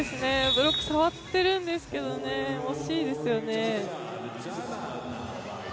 ブロック触ってるんですけどね、惜しいですよね。